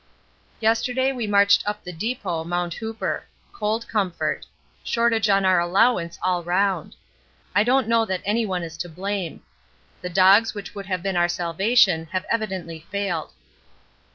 Yesterday we marched up the depot, Mt. Hooper. Cold comfort. Shortage on our allowance all round. I don't know that anyone is to blame. The dogs which would have been our salvation have evidently failed.